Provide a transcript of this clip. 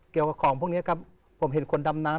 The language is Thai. เกี่ยวกับของพวกนี้ครับผมเห็นคนดำน้ำ